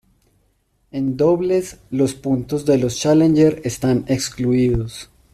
En dobles, los puntos de los Challenger están excluidos.